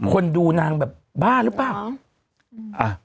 คนดูนางแบบบ้าหรือเปล่า